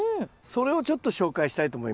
それをちょっと紹介したいと思います。